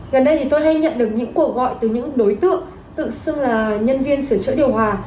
gần đây thì tôi hay nhận được những cuộc gọi từ những đối tượng tự xưng là nhân viên sửa chữa điều hòa